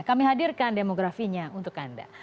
kami hadirkan demografinya untuk anda